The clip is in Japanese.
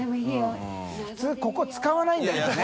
當ここ使わないんだけどね。